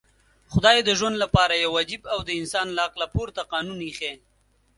خدای د ژوند لپاره يو عجيب او د انسان له عقله پورته قانون ايښی.